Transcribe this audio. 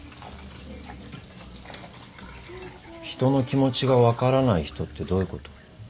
人の気持ちが分からない人ってどういうこと？